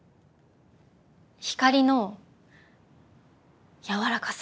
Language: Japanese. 光の柔らかさ。